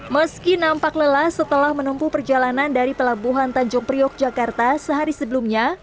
meski nampak lelah setelah menempuh perjalanan dari pelabuhan tanjung priok jakarta sehari sebelumnya